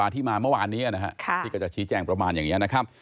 ที่ก็จะชี้แจ้งประมาณอย่างนี้นะครับ